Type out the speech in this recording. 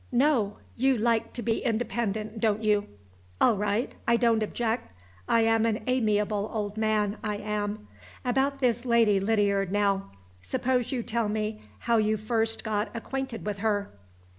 No! You like to be independent, don't you? All right I don't object. I am an amiable old man, I am. About this Lady Lydiard, now? Suppose you tell me how you first got acquainted with her?"